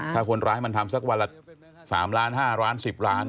ถ้าคนร้ายมันทำสักวันละ๓ล้าน๕ล้าน๑๐ล้าน